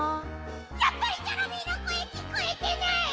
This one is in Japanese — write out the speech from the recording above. やっぱりチョロミーのこえきこえてない！